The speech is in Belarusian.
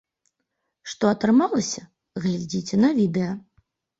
Што атрымалася, глядзіце на відэа!